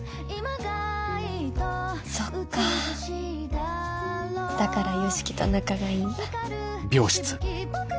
そっかだから良樹と仲がいいんだ。